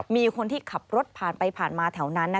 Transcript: มีคนที่ขับรถผ่านไปผ่านมาแถวนั้น